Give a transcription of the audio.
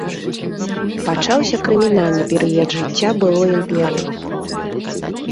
Пачаўся крымінальны перыяд жыцця былой імперыі.